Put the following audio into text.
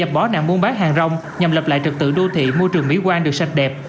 dẹp bỏ nạn buôn bán hàng rong nhằm lập lại trật tự đô thị môi trường mỹ quan được sạch đẹp